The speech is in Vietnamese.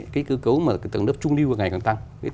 cái cơ cấu mà tầng lớp trung lưu ngày càng tăng